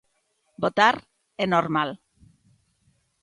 "Votar é normal".